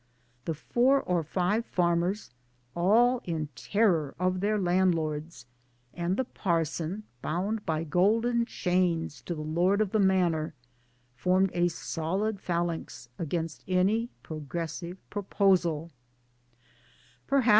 The four or five farmers, all in terror of their landlords, and the parson (bound by golden chains to the Lord of the Manor) formed a solid phalanx against any progressive proposal.